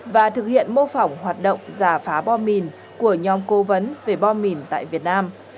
và thực hiện mô phỏng hoạt động giả phá bom mìn của nhóm cố vấn về bom mìn tại việt nam